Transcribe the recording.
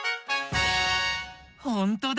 ほんとだ！